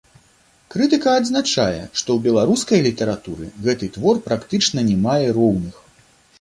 Крытыка адзначае, што ў беларускай літаратуры гэты твор практычна не мае роўных.